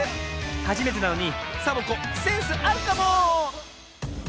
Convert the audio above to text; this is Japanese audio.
はじめてなのにサボ子センスあるかも。